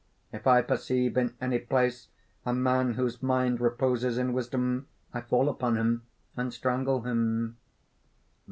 If I perceive in any place a man whose mind reposes in wisdom, I fall upon him, and strangle him."